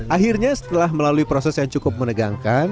akhirnya setelah melalui proses yang cukup menegangkan